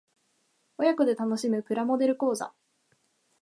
親子で楽しむプラモデル講座